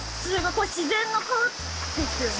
これ自然の川ですよね？